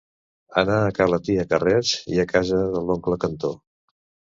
Anar a ca la tia Carrers i a casa l'oncle Cantó.